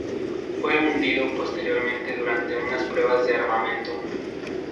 Fue hundido posteriormente durante unas pruebas de armamento.